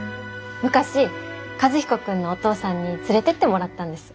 昔和彦君のお父さんに連れてってもらったんです。